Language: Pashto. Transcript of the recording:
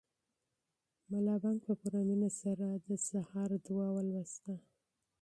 ملا بانګ په پوره مینه سره د سهار دعا ولوسته.